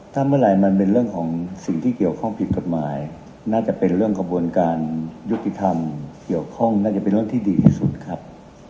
ถ้าเมื่อไหร่มันเป็นเรื่องของสิ่งที่เกี่ยวข้องผิดกฎหมายน่าจะเป็นเรื่องกระบวนการยุติธรรมเกี่ยวข้องน่าจะเป็นเรื่องที่ดีที่สุดครับ